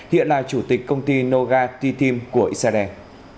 hiện là chủ tịch công ty noga t team của israel